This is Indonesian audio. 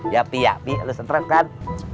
yapi yapi lo setres kan